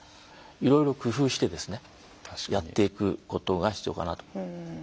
いろいろ工夫してですねやっていくことが必要かなと。